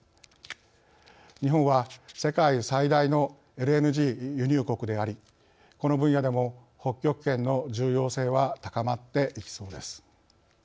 日本は世界最大のＬＮＧ輸入国でありこの分野でも、北極圏の重要性は高まっていきそうです。